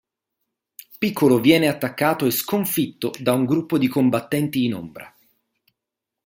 Piccolo viene attaccato e sconfitto da un gruppo di combattenti in ombra.